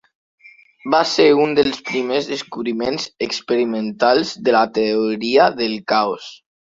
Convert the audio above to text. Va ser un dels primers descobriments experimentals de la Teoria del caos.